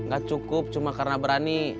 gak cukup cuma karena berani